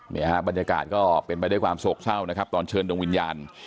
บรรยากาศก็เป็นไปด้วยความโศกเศร้านะครับตอนเชิญดวงวิญญาณ